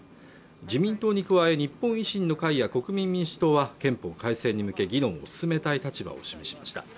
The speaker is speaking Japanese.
自民党に加え日本維新の会や国民民主党は憲法改正に向け議論を進めたい立場を示しました